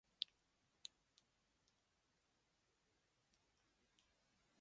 L'immeuble est bâti en pierre.